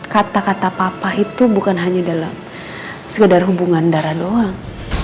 kata kata papa itu bukan hanya dalam sekedar hubungan darah doang